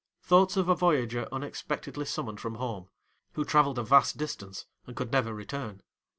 Thoughts of a voyager unexpectedly summoned from home, who travelled a vast distance, and could never return.